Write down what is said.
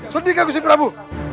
sedihkan ku si prabu